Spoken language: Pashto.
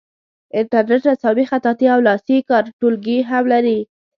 انټرنیټ رسامي خطاطي او لاسي کار ټولګي هم لري.